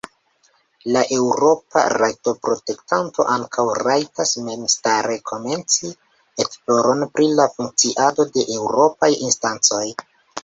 La Eŭropa Rajtoprotektanto ankaŭ rajtas memstare komenci esploron pri la funkciado de Eŭropaj instancoj.